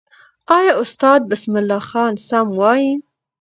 آیا استاد بسم الله خان سم وایي؟